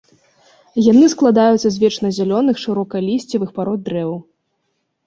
Яны складаюцца з вечназялёных шырокалісцевых парод дрэваў.